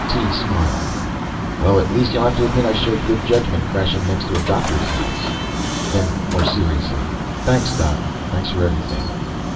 Tee smiled. "Well at least you'll have to admit I showed good judgment crashing next to a doctor's house." Then more seriously, "Thanks, doc, thanks for everything."